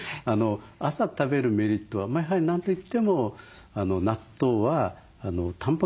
朝食べるメリットはやはり何と言っても納豆はタンパク質が豊富ですよね。